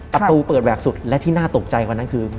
ประตูเปิดแหวกสุดและที่น่าตกใจกว่านั้นคือ